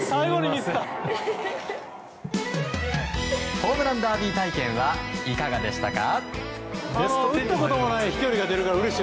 ホームランダービー体験はいかがでしたか。